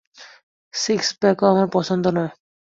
Six প্যাকও আমারও পছন্দ না।